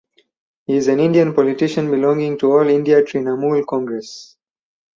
He is an Indian politician belonging to All India Trinamool Congress.